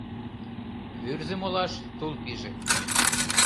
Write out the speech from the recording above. Вӱрзым олаш тул пиже.